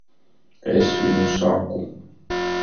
Es viņa saku.